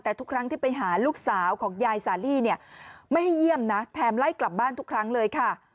แต่ทุกครั้งที่ไปหาลูกสาวของยายสาลีเนี่ยไม่ให้เยี่ยมนะแถมไล่กลับบ้านทุกครั้งเลยค่ะ